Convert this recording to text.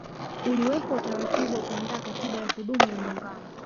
Uliwekwa utaratibu wa kuandaa katiba ya kudumu ya muungano